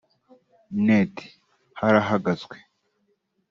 net/ Harahagazwe